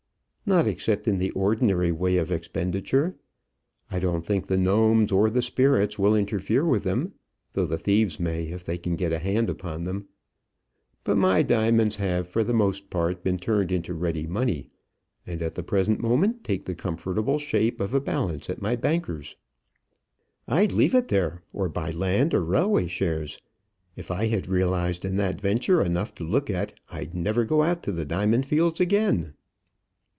"Not except in the ordinary way of expenditure. I don't think the gnomes or the spirits will interfere with them, though the thieves may, if they can get a hand upon them. But my diamonds have, for the most part, been turned into ready money, and at the present moment take the comfortable shape of a balance at my banker's." "I'd leave it there, or buy land, or railway shares. If I had realised in that venture enough to look at, I'd never go out to the diamond fields again."